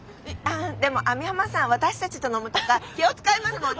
でも網浜さん私たちと飲むとか気を遣いますもんね。